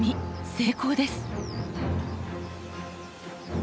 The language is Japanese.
成功です！